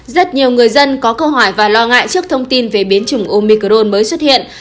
rất nhiều người dân có câu hỏi và lo ngại trước thông tin về biến chủng omicrone mới xuất hiện